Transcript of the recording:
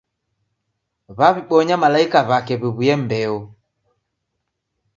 W'aw'ibonya malaika w'ake w'iw'uye mbeo.